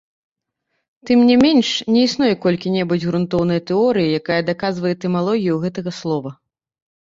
Тым не менш, не існуе колькі-небудзь грунтоўнай тэорыі, якая даказвае этымалогію гэтага слова.